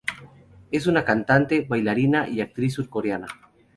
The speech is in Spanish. Es una cantante, bailarina y actriz surcoreana.